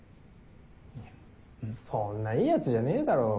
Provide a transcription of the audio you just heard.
・いやそんないいやつじゃねえだろ。